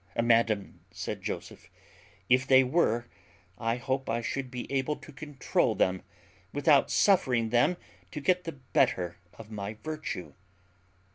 "Madam," said Joseph, "if they were, I hope I should be able to controul them, without suffering them to get the better of my virtue."